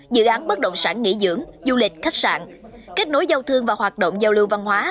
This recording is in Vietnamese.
dự án bất động sản nghỉ dưỡng du lịch khách sạn kết nối giao thương và hoạt động giao lưu văn hóa